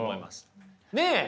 ねえ！